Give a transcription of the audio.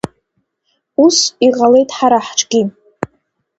Ус иҟалеит ҳара ҳҿгьы.